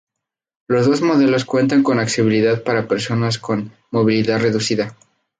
Los dos modelos cuentan con accesibilidad para personas con movilidad reducida.